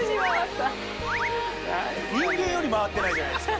人間より回ってないじゃないですか。